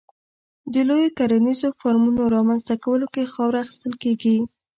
د لویو کرنیزو فارمونو رامنځته کولو کې خاوره اخیستل کېږي.